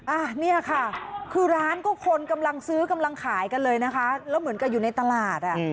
อ่ะเนี่ยค่ะคือร้านก็คนกำลังซื้อกำลังขายกันเลยนะคะแล้วเหมือนกับอยู่ในตลาดอ่ะ